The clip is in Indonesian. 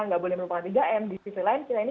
nggak boleh melupakan tiga m di sisi lain kita ini